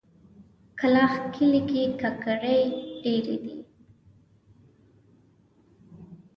کلاخ کلي کې ګاګرې ډېرې دي.